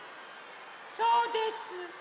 そうです